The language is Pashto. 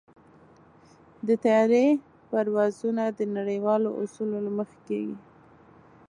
د طیارې پروازونه د نړیوالو اصولو له مخې کېږي.